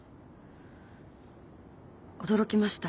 驚きました。